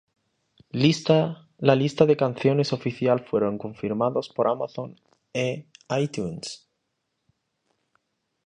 La lista de canciones oficial fueron confirmados por Amazon e iTunes